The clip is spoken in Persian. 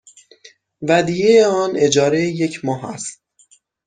ودیعه آن اجاره یک ماه است.